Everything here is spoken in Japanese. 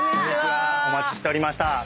お待ちしておりました。